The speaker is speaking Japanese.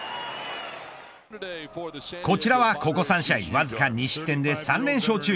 こちらはここ３試合わずか２失点で３連勝中。